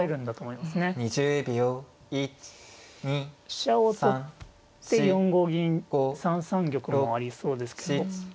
飛車を取って４五銀３三玉もありそうですけど。